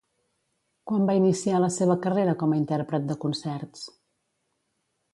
Quan va iniciar la seva carrera com a intèrpret de concerts?